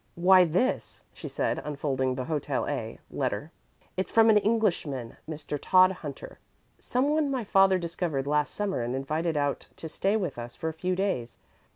"Why, this" she said, unfolding the Hotel A letter. "It's from an Englishman, Mr. Todhunter, some one my father discovered last summer and invited out to stay with us for a few days.